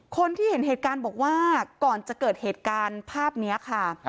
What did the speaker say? คนที่เห็นเหตุการณ์บอกว่าก่อนจะเกิดเหตุการณ์ภาพนี้ค่ะ